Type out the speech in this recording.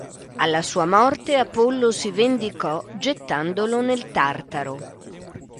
Alla sua morte Apollo si vendicò gettandolo nel Tartaro